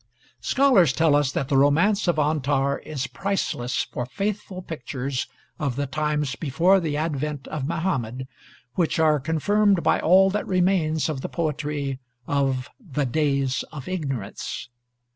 Scholars tell us that the romance of 'Antar' is priceless for faithful pictures of the times before the advent of Muhammad, which are confirmed by all that remains of the poetry of "the days of ignorance."